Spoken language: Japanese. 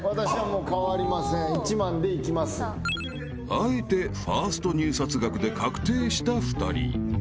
［あえてファースト入札額で確定した２人］